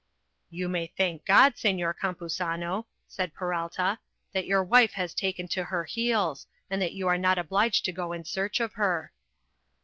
"You may thank God, Señor Campuzano," said Peralta, "that your wife has taken to her heels, and that you are not obliged to go in search of her."